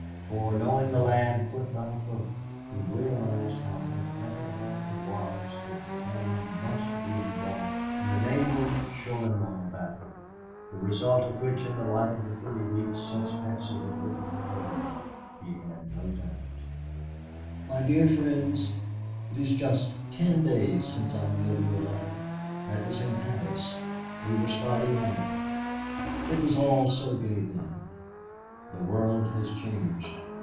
for, knowing the land foot by foot, he realized how inevitable it was that the town must be engulfed in the Namur Charleroi battle, the result of which in the light of the three weeks since Patsy had written her heading, he had no doubt. "My dear Folks: It is just ten days since I mailed you a letter. That was in Paris. We were starting out. It was all so gay then. The world has changed.